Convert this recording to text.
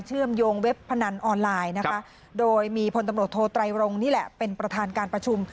เชื่อมโยงเว็บพนันออนไลน์โดยมีพลตำรวจโทตรายรงค์เป็นประธานการประชุม